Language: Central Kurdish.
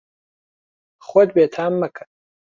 خۆت بێتام مەکە.